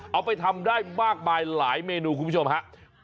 เอาไปทำได้มากมายหลายเมนูคุณผู้ชมฮะ